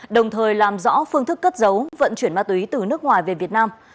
đồng thời làm rõ phương thức cất giấu vận chuyển ma túy từ nước ngoài về việt nam